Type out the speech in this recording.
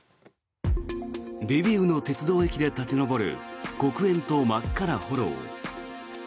リビウの鉄道駅で立ち上る黒煙と真っ赤な炎。